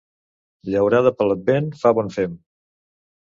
Llaurada per l'Advent fa bon fem.